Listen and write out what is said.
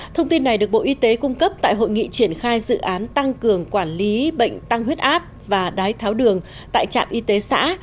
thông tin này được bộ y tế cung cấp tại hội nghị triển khai dự án tăng cường quản lý bệnh tăng huyết áp và đái tháo đường tại trạm y tế xã